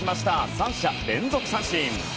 ３者連続三振！